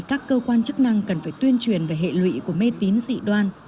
các cơ quan chức năng cần phải tuyên truyền về hệ lụy của mê tín dị đoan